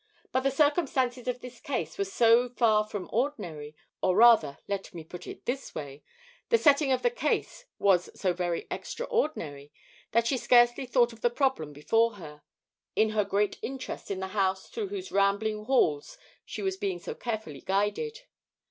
But the circumstances of this case were so far from ordinary, or rather let me put it in this way, the setting of the case was so very extraordinary, that she scarcely thought of the problem before her, in her great interest in the house through whose rambling halls she was being so carefully guided.